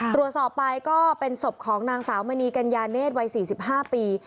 ตรวจสอบไปก็เป็นศพของนางสาวมณีกัญญาเนธวัย๔๕ปี